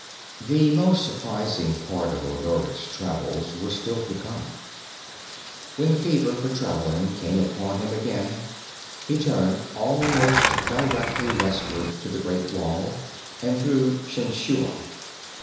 The most surprising part of Odoric's travels were still to come. When the fever for traveling came upon him again he turned almost directly westward to the Great Wall and through Shenshua.